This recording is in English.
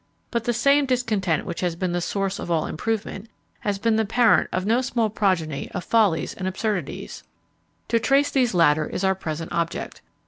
But the same discontent which has been the source of all improvement, has been the parent of no small progeny of follies and absurdities; to trace these latter is our present object.